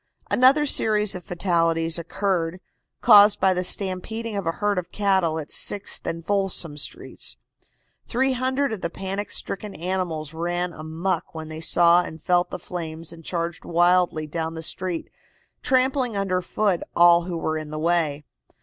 Another series of fatalities occurred, caused by the stampeding of a herd of cattle at Sixth and Folsom Streets. Three hundred of the panic stricken animals ran amuck when they saw and felt the flames and charged wildly down the street, trampling under foot all who were in the way.